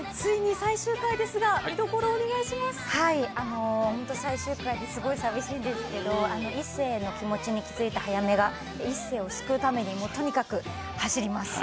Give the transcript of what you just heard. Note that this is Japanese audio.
最終回ですごい寂しいですけど壱成の気持ちに気付いた早梅が壱成を救うためにとにかく走ります。